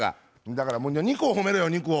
だから肉を褒めろよ肉を。